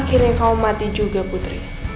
akhirnya kau mati juga putri